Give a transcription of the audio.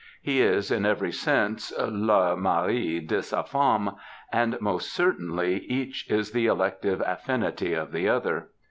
He is, in every sense, le mart de sa femme^ and most certainly each is the elective affinity of the other.